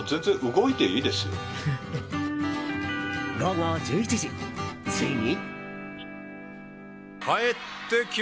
午後１１時、ついに。